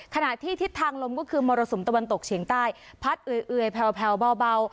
ขณะที่ทิศทางลมก็คือมรสุมตะวันตกเฉียงใต้พัดเอื่อยแผลวเบา